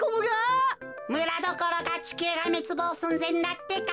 むらどころかちきゅうがめつぼうすんぜんだってか。